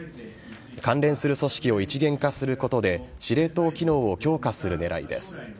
関連する組織を一元化することで司令塔機能を強化する狙いです。